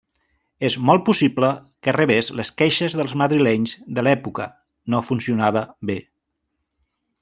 És molt possible que rebés les queixes dels madrilenys de l'època, no funcionava bé.